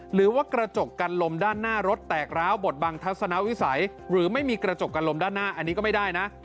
หรือว่ากระจกกันลมด้านหน้ารถแตกร้าวบทบังทัศนวิสัยหรือไม่มีกระจกกันลมด้านหน้าอันนี้ก็ไม่ได้นะ